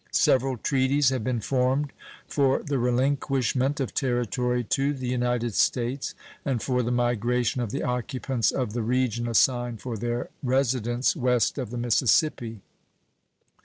Several treaties have been formed for the relinquishment of territory to the United States and for the migration of the occupants of the region assigned for their residence West of the Mississippi.